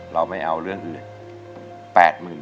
เราไม่เอาเรื่องอื่น